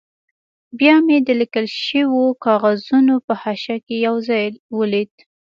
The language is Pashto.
بیا مې د لیکل شوو کاغذونو په حاشیه کې یو ځای ولید.